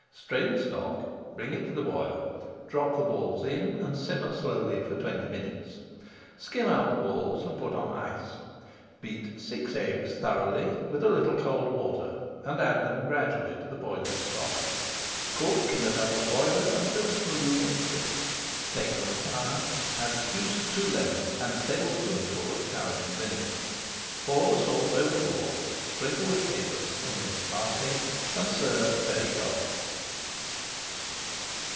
Strain the stock, bring it to the boil, drop the balls in, and simmer slowly for twenty minutes. Skim out the balls and put on ice. Beat six eggs thoroughly with a [Page 454] little cold water and add them gradually to the boiling stock. Cook in a double boiler until smooth and thick. Take from the fire, add the juice of two lemons, and a tablespoonful of tarragon vinegar. Pour the sauce over the balls, sprinkle with capers and minced parsley, and serve very cold.